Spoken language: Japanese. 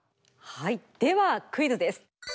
はいではクイズです！